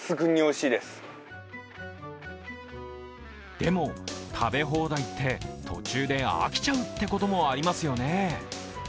でも、食べ放題って途中で飽きちゃうってこともありますよね。